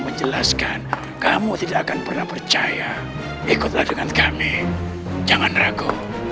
menjelaskan kamu tidak akan pernah percaya ikutlah dengan kami jangan ragu